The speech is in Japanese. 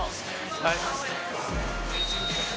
はい。